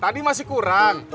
tadi masih kurang